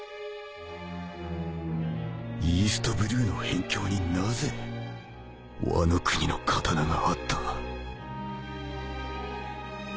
イーストブルーの辺境になぜワノ国の刀があった？